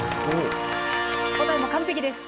答えも完璧でした。